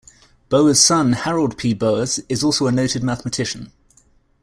Boas' son Harold P. Boas is also a noted mathematician.